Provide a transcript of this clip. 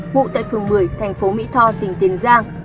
ngụ tại phường một mươi thành phố mỹ tho tỉnh tiền giang